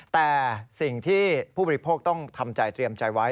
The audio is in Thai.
แต่สิ่งที่ผู้บริโภคต้องทำใจเตรียมใจไว้